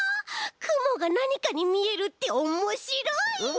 くもがなにかにみえるっておもしろい！